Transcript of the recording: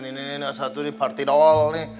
ini enak satu ini party dool